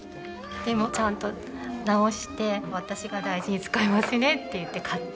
でも「ちゃんと直して私が大事に使いますね」って言って買って。